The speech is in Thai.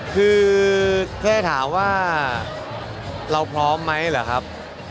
คือแค่ถามว่าเราพร้อมไหมหรือครับ